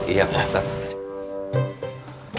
iya pak ustadz